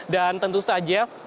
dan tentu saja